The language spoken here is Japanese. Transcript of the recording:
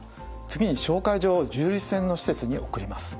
次に紹介状を重粒子線の施設に送ります。